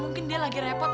mungkin dia lagi repot